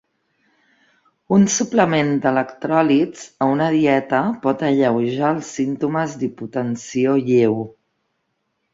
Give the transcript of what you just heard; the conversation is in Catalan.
Un suplement d'electròlits a una dieta pot alleujar els símptomes d'hipotensió lleu.